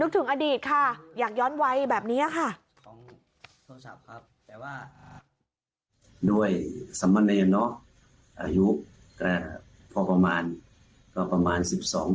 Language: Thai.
แต่เขาสิบสามก็มอหนึ่ง